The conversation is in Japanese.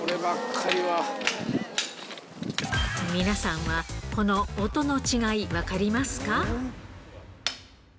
皆さんはこの音の違い分かりますか？